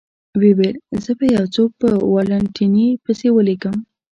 ویې ویل: زه به یو څوک په والنتیني پسې ولېږم.